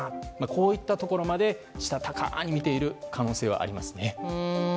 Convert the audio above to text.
こういったところまでしたたかに見ている可能性はありますね。